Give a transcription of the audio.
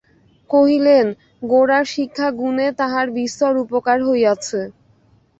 কহিলেন, গোরার শিক্ষা-গুণে তাহার বিস্তর উপকার হইয়াছে।